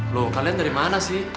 loh kalian dari mana sih